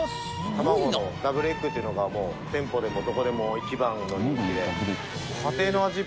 卵のダブルエッグっていうのが店舗でもどこでも一番の人気で。